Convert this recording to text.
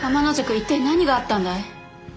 一体何があったんだい？